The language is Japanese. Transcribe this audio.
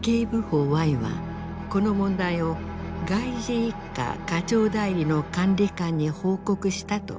警部補Ｙはこの問題を外事一課課長代理の管理官に報告したと裁判で証言した。